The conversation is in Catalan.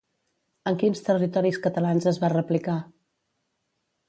En quins territoris catalans es va replicar?